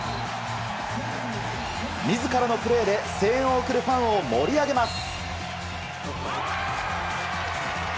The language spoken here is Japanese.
みずからのプレーで声援を送るファンを盛り上げます。